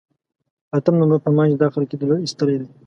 اتم نمبر فرمان چې دا خلقي دولت ایستلی دی.